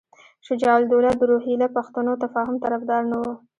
شجاع الدوله د روهیله پښتنو تفاهم طرفدار نه وو.